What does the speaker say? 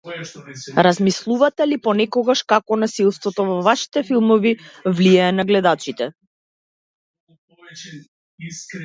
Размислувате ли понекогаш како насилството во вашите филмови влијае на гледачите?